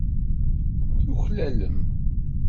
Tuklalem.